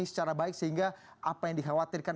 secara baik sehingga apa yang dikhawatirkan